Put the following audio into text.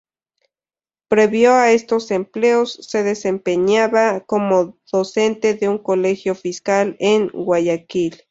Previo a estos empleos, se desempeñaba como docente de un colegio fiscal en Guayaquil.